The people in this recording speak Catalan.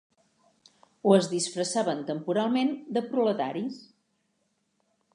O es disfressaven temporalment de proletaris.